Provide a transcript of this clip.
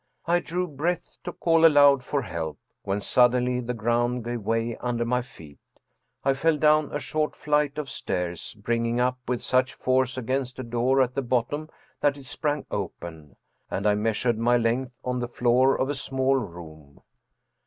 I drew breath to call aloud for help, when suddenly the ground gave way under my feet ; I fell down a short flight "of stairs, bringing up with such force against a door at the bottom that it sprang open, and I measured my length on the floor of a small room.